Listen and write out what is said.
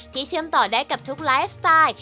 เชื่อมต่อได้กับทุกไลฟ์สไตล์